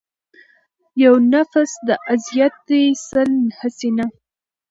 يو نٙفٙس د اذيت دې سل حسينه